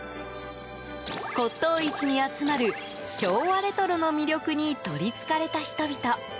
骨董市に集まる昭和レトロの魅力にとりつかれた人々。